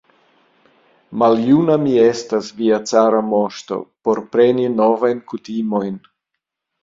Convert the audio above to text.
Maljuna mi estas, via cara moŝto, por preni novajn kutimojn!